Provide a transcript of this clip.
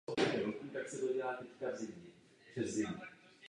Základem společnosti je sdílet myšlenky a vzájemně se vyslechnout.